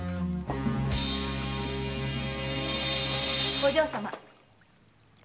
お嬢様。